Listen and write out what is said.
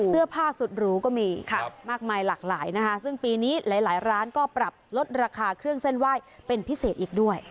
เสื้อผ้าสุดหรูก็มีมากมายหลากหลายนะคะซึ่งปีนี้หลายร้านก็ปรับลดราคาเครื่องเส้นไหว้เป็นพิเศษอีกด้วย